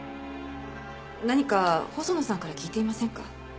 何か細野さんから聞いていませんか？